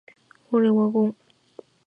俺はゴン。